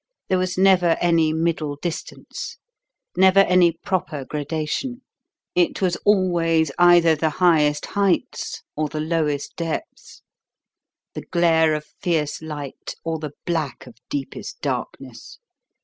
There was never any Middle Distance; never any proper gradation. It was always either the Highest Heights or the Lowest Depths; the glare of fierce light or the black of deepest darkness.